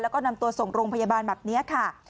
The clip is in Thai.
แล้วก็นำตัวส่งโรงพยาบาลแบบนี้ค่ะ